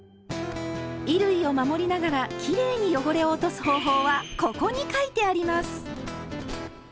衣類を守りながらきれいに汚れを落とす方法は「ここ」に書いてあります！